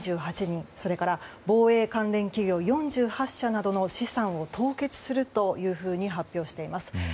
それから防衛関連企業４８社などの資産を凍結するというふうに発表しています。